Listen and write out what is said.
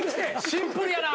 シンプルやな。